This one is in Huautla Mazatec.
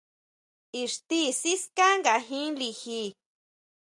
Ixti siská nga jin liji.